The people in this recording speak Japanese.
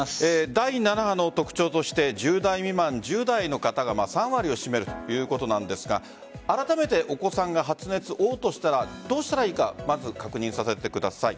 第７波の特徴として１０代未満、１０代の方が３割を占めるということなんですがあらためてお子さんが発熱、嘔吐したらどうしたらいいかまず確認させてください。